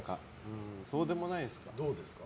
そうでもないですか？